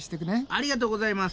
ありがとうございます。